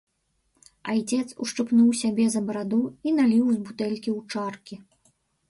Айцец ушчыпнуў сябе за бараду і наліў з бутэлькі ў чаркі.